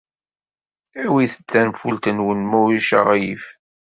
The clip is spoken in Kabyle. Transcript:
Awit-d tanfult-nwen, ma ulac aɣilif.